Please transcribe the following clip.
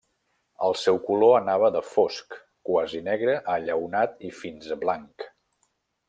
El seu color anava de fosc, quasi negre a lleonat i fins blanc.